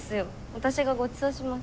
私がごちそうします。